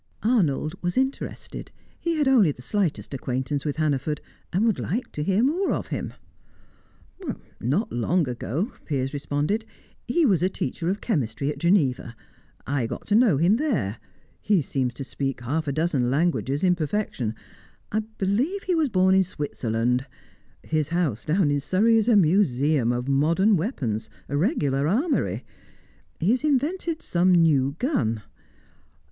Arnold was interested. He had only the slightest acquaintance with Hannaford, and would like to hear more of him. "Not long ago," Piers responded, "he was a teacher of chemistry at Geneva I got to know him there. He seems to speak half a dozen languages in perfection; I believe he was born in Switzerland. His house down in Surrey is a museum of modern weapons a regular armoury. He has invented some new gun."